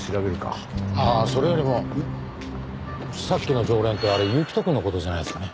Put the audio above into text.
ああそれよりもさっきの常連ってあれ行人くんの事じゃないですかね？